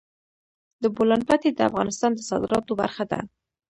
د بولان پټي د افغانستان د صادراتو برخه ده.